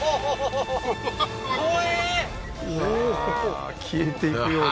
ああー消えていくようだ